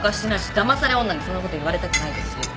だまされ女にそんなこと言われたくないです。